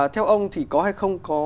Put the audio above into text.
theo ông thì có hay không có